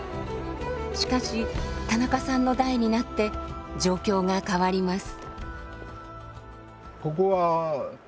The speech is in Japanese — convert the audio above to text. しかし田中さんの代になって状況が変わります。